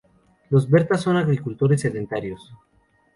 Los berta son agricultores sedentarios.